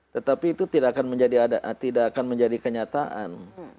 tetapi itu tidak akan menjadi kenyataan